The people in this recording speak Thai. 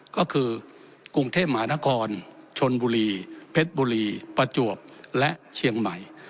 ก็คือกรุงเทพมหานครชนบุรีเพชรบุรีประจวบและเชียงใหม่